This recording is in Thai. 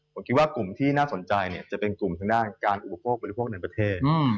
ผมคิดว่ากลุ่มที่น่าสนใจจะเป็นกลุ่มที่กำหนดการอุปโภคบริโภคภาคประเทศ